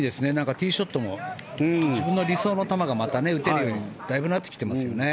ティーショットも自分の理想の球がまた打てるようにだいぶなってきてますよね。